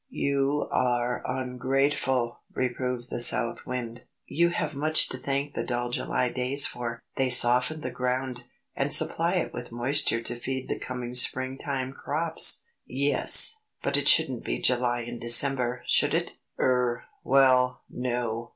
"You are ungrateful!" reproved the South Wind. "You have much to thank the dull July days for. They soften the ground, and supply it with moisture to feed the coming spring time crops." "Yes. But it shouldn't be July in December, should it?" "Er well, no!